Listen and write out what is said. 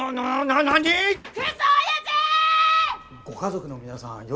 ご家族の皆さん